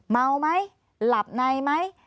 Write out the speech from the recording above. เมาไหมหลับในไหม